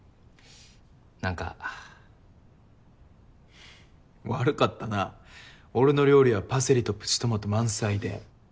ふっ悪かったな俺の料理はパセリとプチトマト満載で。